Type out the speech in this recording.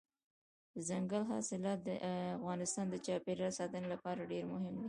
دځنګل حاصلات د افغانستان د چاپیریال ساتنې لپاره ډېر مهم دي.